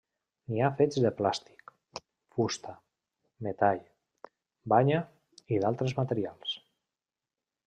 N'hi ha fets de plàstic, fusta, metall, banya i d'altres materials.